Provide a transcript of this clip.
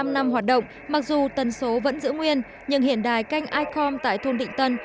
một mươi năm năm hoạt động mặc dù tần số vẫn giữ nguyên nhưng hiện đại canh icom tại thôn định tân